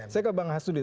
saya ke bang hasudin